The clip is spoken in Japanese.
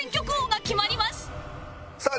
さあ